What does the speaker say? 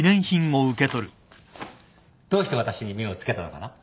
どうして私に目を付けたのかな？